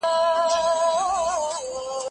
زه هره ورځ بازار ته ځم